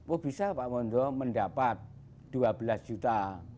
oh bisa pak mondo mendapat dua belas juta